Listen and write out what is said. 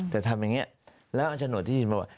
แต่ทำอย่างนี้แล้วอาชโนตที่จิลบอกว่า